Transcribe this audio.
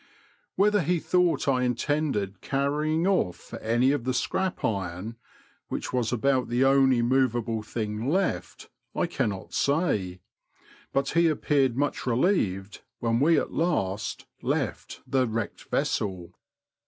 Whether he thought I intended carrying off any of the scrap iron, which was about the only moveable thing left, I cannot say, but he appeared much relieved when we at last left the wrecked vessel.